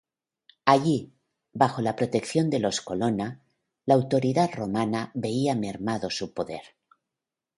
Allí, bajo la protección de los Colonna, la autoridad romana veía mermado su poder.